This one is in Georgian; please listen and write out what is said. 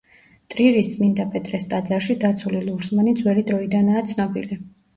ტრირის წმინდა პეტრეს ტაძარში დაცული ლურსმანი ძველი დროიდანაა ცნობილი.